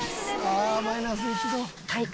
ああマイナス１度。